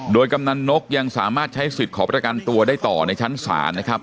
โดยกำนันนกยังสามารถใช้สิทธิ์ขอประกันตัวได้ต่อในชั้นศาลนะครับ